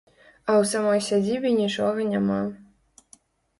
А ў самой сядзібе нічога няма.